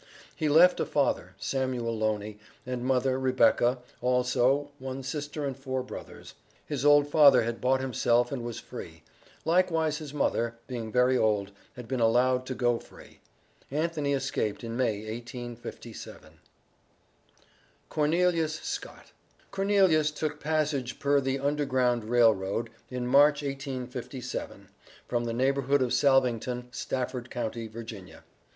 He left a father, Samuel Loney, and mother, Rebecca also, one sister and four brothers. His old father had bought himself and was free; likewise his mother, being very old, had been allowed to go free. Anthony escaped in May, 1857. CORNELIUS SCOTT. Cornelius took passage per the Underground Rail Road, in March, 1857, from the neighborhood of Salvington, Stafford county, Va.